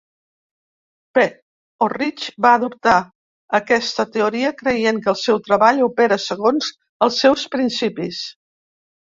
P-Orridge va adoptar aquesta teoria, creient que el seu treball opera segons els seus principis.